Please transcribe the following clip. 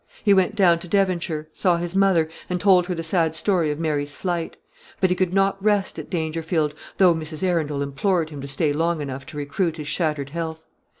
He went down to Devonshire, saw his mother, and told her the sad story of Mary's flight. But he could not rest at Dangerfield, though Mrs. Arundel implored him to stay long enough to recruit his shattered health.